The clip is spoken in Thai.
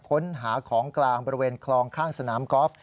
ค้นหาของกลางบริเวณคลองข้างสนามกอล์ฟ